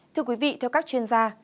thưa quý vị theo các chuyên gia